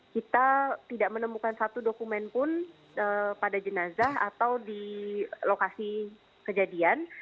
kita tidak menemukan satu dokumen pun pada jenazah atau di lokasi kejadian